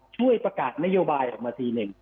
ช่วยประกาศนโยบายออกมาทีหนึ่ง